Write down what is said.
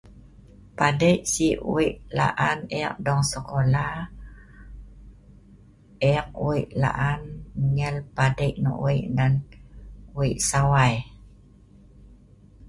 Padei sik weik laan eek dong sekola, eek weik laan nyel padei nok weik ngan weik sawai.